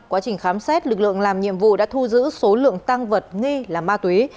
quá trình khám xét lực lượng làm nhiệm vụ đã thu giữ số lượng tăng vật nghi là ma túy